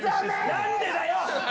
何でだよ！